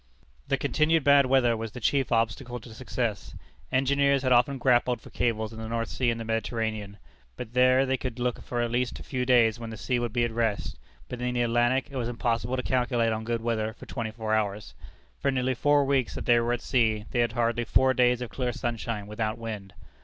The continued bad weather was the chief obstacle to success. Engineers had often grappled for cables in the North Sea and the Mediterranean; but there they could look for at least a few days when the sea would be at rest; but in the Atlantic it was impossible to calculate on good weather for twenty four hours. For nearly four weeks that they were at sea, they had hardly four days of clear sunshine, without wind.